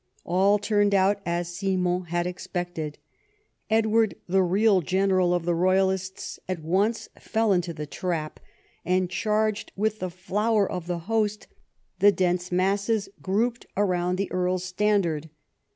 All turned out as Simon had expected. Edward, the real general of the royalists, at once fell into the trap, and charged with the flower of the host the dense masses grouped around the Earl's standard.